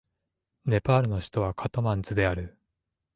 ネパールの首都はカトマンズである